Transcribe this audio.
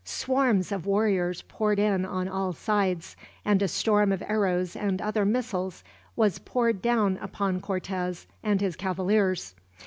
Swarms of warriors poured in on all sides, and a storm of arrows and other missiles was poured down upon Cortez and his cavaliers.